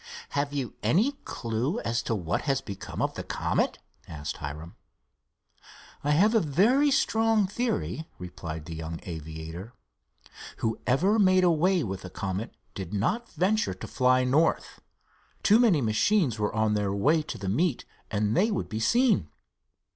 "Have you any clue as to what has become of the Comet?" asked Hiram. "I have a very strong theory," replied the young aviator. "Whoever made away with the Comet did not venture to fly north—too many machines were on their way to the meet, and they would be seen.